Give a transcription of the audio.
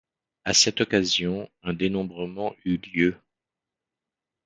À cette occasion un dénombrement eut lieu.